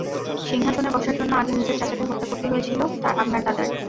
সিংহাসনে বসার জন্য আগে নিজের চাচাকে হত্যা করতে হয়েছিল আপনার দাদার।